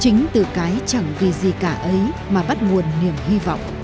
chính từ cái chẳng vì gì cả ấy mà bắt nguồn niềm hy vọng